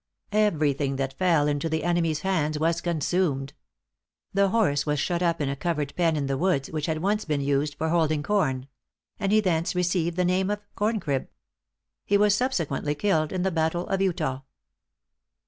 Every thing that fell into the enemy's hands was consumed. The horse was shut up in a covered pen in the woods, which had once been used for holding corn; and he thence received the name of Corncrib. He was subsequently killed in the battle of Eutaw.